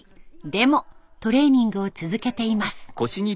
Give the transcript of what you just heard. でもトレーニングを続けています。